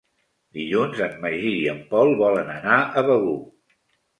Dilluns en Magí i en Pol volen anar a Begur.